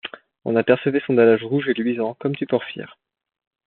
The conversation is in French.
On apercevait son dallage rouge et luisant comme du porphyre.